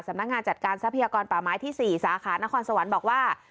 นักงานจัดการทรัพยากรป่าไม้ที่๔สาขานครสวรรค์บอกว่า